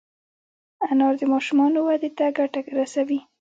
انار د ماشومانو وده ته ګټه رسوي.